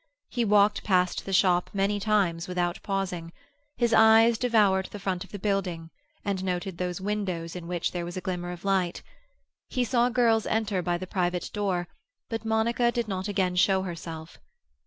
He walked past the shop many times without pausing; his eyes devoured the front of the building, and noted those windows in which there was a glimmer of light. He saw girls enter by the private door, but Monica did not again show herself.